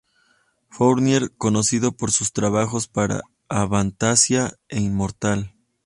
Fournier, conocido por sus trabajos para Avantasia e Immortal.